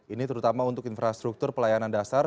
ini terutama untuk infrastruktur pelayanan dasar